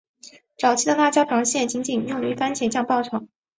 早期的辣椒螃蟹仅仅是用番茄酱爆炒。